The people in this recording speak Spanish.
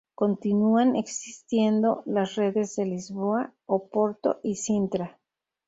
Continúan existiendo las redes de Lisboa, Oporto y Sintra.